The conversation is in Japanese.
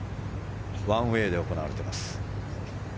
ワンウェーで行われています。